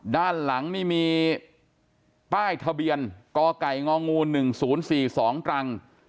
ด้านหลังนี่มีป้ายทะเบียนกไก่งงหนึ่งศูนย์สี่สองตรัง